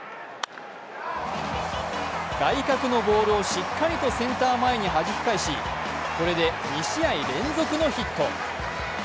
外角のボールをしっかりとセンター前にはじき返し、これで２試合連続のヒット。